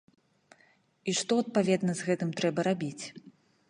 І што, адпаведна, з гэтым трэба рабіць.